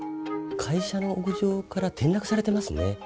会社の屋上から転落されてますね。